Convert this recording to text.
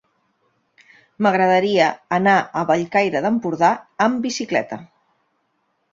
M'agradaria anar a Bellcaire d'Empordà amb bicicleta.